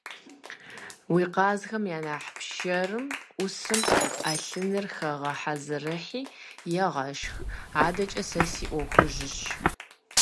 Уи къазхэм я нэхъ пшэрым Ӏусым Ӏэлъыныр хэгъэзэрыхьи, егъэшх, адэкӀэ сэ си Ӏуэхужщ.